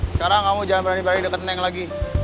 sekarang kamu jangan berani berani deket neng lagi